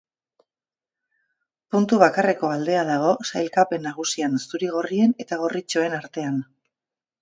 Puntu bakarreko aldea dago sailkapen nagusian zuri-gorrien eta gorritxoen artean.